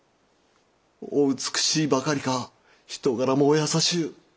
お美しいばかりか人柄もお優しゅう。